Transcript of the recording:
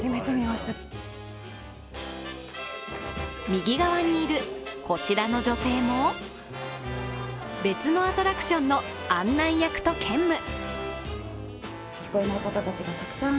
右側にいるこちらの女性も別のアトラクションの案内役と兼務。